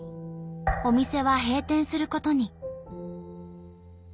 お店は閉店することに。